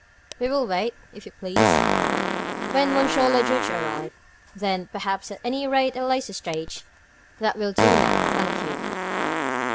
"We will wait, if you please. When M. le Juge arrives, then, perhaps; at any rate, at a later stage. That will do now, thank you."